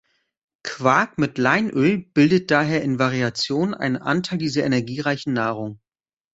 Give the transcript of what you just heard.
Quark mit Leinöl bildet daher in Variationen einen Anteil dieser energiereichen Nahrung.